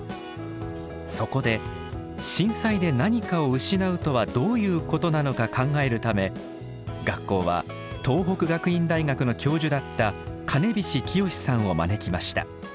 そこで震災で何かを失うとはどういうことなのか考えるため学校は東北学院大学の教授だった金菱清さんを招きました。